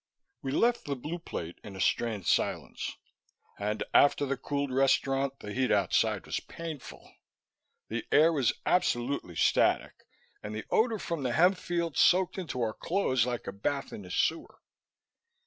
We left the Blue Plate in a strained silence and, after the cooled restaurant, the heat outside was painful. The air was absolutely static, and the odor from the hemp fields soaked into our clothes like a bath in a sewer.